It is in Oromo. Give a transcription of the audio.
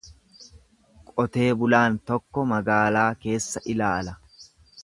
Qotee bulaan tokko magaalaa keessa ilaala.